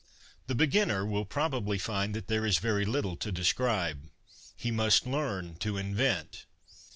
— The beginner will probably find there is very little to describe. He must learn to invent.